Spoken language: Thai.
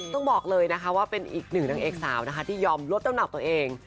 ต้องบอกเลยนะคะว่าเป็นอีกหนึ่งนางเอกสาวนะคะที่ยอมลดน้ำหนักตัวเอง